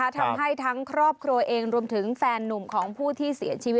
ทำให้ทั้งครอบครัวเองรวมถึงแฟนนุ่มของผู้ที่เสียชีวิต